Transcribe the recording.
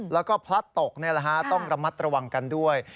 แล้วก็พลัดตกต้องระมัดระวังกันด้วย